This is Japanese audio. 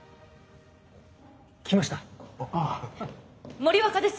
森若です。